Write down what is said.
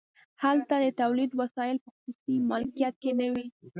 هلته د تولید وسایل په خصوصي مالکیت کې نه وي